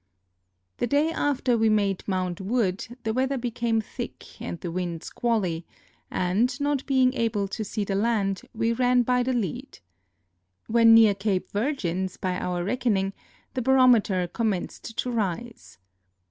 The dav after we made Mount Wood the weather became thick and the wind squally, and, not being able to see tlie land, we ran by the lead. When near Cape Virgins by our reckoning the barom eter commenced to rise.